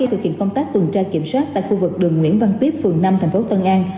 thực hiện công tác tuần tra kiểm soát tại khu vực đường nguyễn văn tiếp phường năm thành phố tân an